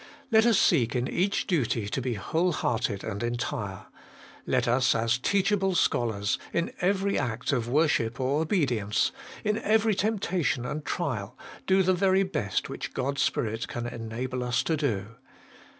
Let us seek in each duty to be whole hearted and entire. Let us, as teachable scholars, in every act of worship or obedience, in every temptation and trial, do the very best which God's Spirit can enable us to do.